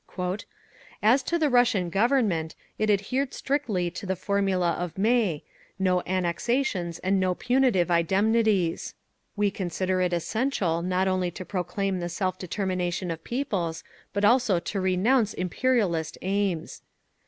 "As to the Russian Government, it adhered strictly to the formula of May, 'No annexations and no punitive indemnities.' We consider it essential not only to proclaim the self determination of peoples, but also to renounce imperialist aims…."